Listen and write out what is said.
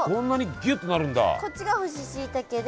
こっちが干ししいたけで。